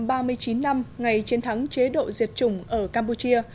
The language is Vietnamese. ba mươi chín năm ngày chiến thắng chế độ diệt chủng ở campuchia